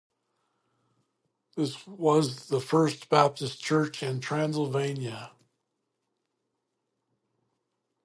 This was the first Baptist church in Transylvania.